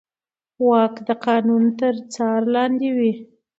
واک د قانون تر څار لاندې وي.